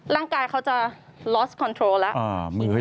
ร่างกายเขาจะลอสคอนโทรลแล้ว